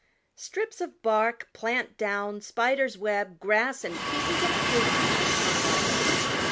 "Strips of bark, plant down, spider's web, grass, and pieces of paper!" replied Jenny.